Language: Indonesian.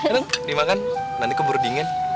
nanti dimakan nanti kubur dingin